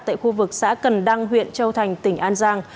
tại khu vực xã cần đăng huyện châu thành tỉnh an giang